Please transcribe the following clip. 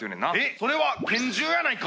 それは拳銃やないか。